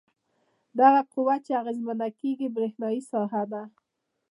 دغه قوه چې اغیزمنه کیږي برېښنايي ساحه ده.